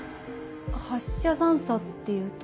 発射残渣っていうと？